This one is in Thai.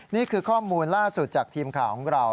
นี่คือข้อมูลล่าสุดจากทีมข่าวของเรา